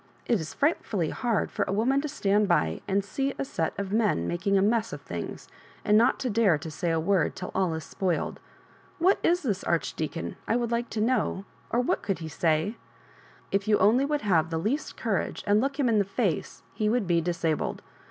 It is frightfully hard for a woman to stand by and see a set of men making a mess of things, and not to dare to say a word till all is spoiled. What is this Archdeacon, I would like to know, or what could he say? K you only would have the least courage, and look him in the iace, he would be disabled.